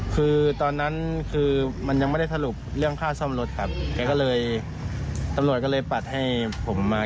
คุณอ่ะคุณมีรายได้วันละ๘๐๐แต่ป้า